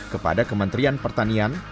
kepada kementerian pertanian